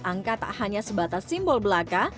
angka tak hanya sebatas simbol belaka